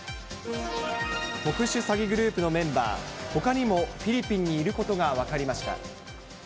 特殊詐欺グループのメンバー、ほかにもフィリピンにいることが分かりました。